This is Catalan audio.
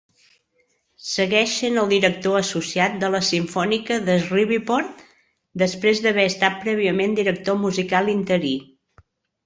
Segueix sent el director associat de la simfònica de Shreveport, després d'haver estat prèviament director musical interí.